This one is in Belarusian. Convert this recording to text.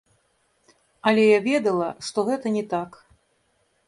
Але я ведала, што гэта не так.